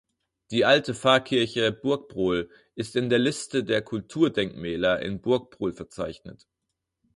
Die Alte Pfarrkirche Burgbrohl ist in der Liste der Kulturdenkmäler in Burgbrohl verzeichnet.